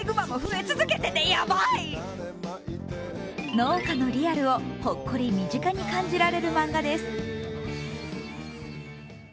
農家のリアルをほっこり身近に感じられる漫画です。